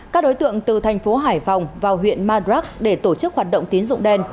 các đối tượng từ thành phố hải phòng vào huyện madrak để tổ chức hoạt động tín dụng đen